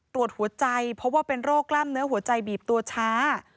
ตรวจหัวใจเพราะว่าเป็นโรคกล้ามเนื้อหัวใจบีบตัวช้า